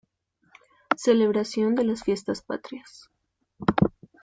Celebración de las fiestas patrias.